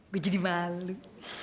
gua jadi malu